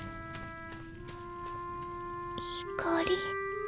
光？